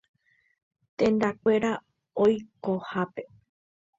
Tendakuéra oikohápe.